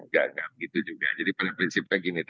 gagap gitu juga jadi pada prinsipnya gini